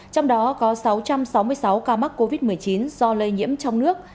trong đó có sáu trăm sáu mươi sáu ca mắc covid một mươi chín do lây nhiễm trong nước